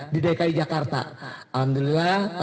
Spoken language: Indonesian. di dki jakarta alhamdulillah